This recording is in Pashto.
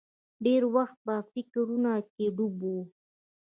ډېر وخت به په فکرونو کې ډوب و.